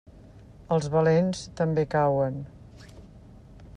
Els valents també cauen.